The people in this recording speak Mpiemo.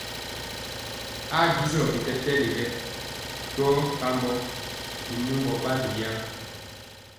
Haa disɔ bitɛtɛli ɓɛ njɔɔ kambɔ binumbɔ ɓandi yɛɛ.